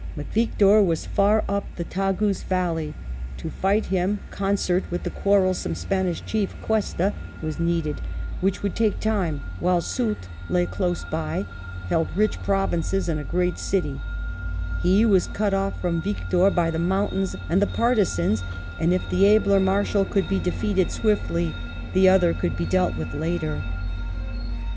But Victor was far up the Tagus valley; to fight him, concert with the quarrelsome Spanish chief Cuesta was needed, which would take time, while Soult, close by, held rich provinces and a great city ; he was cut off from Victor by the mountams and the partisans, and if the abler Marshal could be defeated swiftly, the other could be dealt with later.